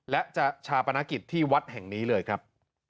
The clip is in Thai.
และจะชาปนกิจที่วัดแห่งนี้เลยครับ